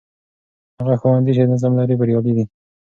هغه ښوونځی چې نظم لري، بریالی دی.